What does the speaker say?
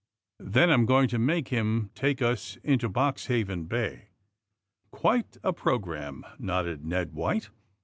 Then I'm going to make him take ns into Boxhaven Bay." *^ Quite a programme," nodded Ned White.